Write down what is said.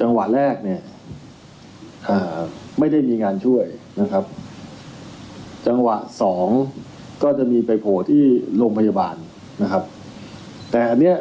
จังหวะแรกเนี่ยไม่ได้มีงานช่วยนะครับจังหวะสองก็จะมีไปโผล่ที่โรงพยาบาลนะครับแต่อันเนี้ย